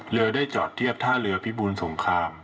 เรือได้จอดเทียบท่าเรือพิบูรสงคราม